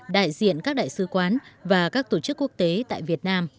hiện các đại sứ quán và các tổ chức quốc tế tại việt nam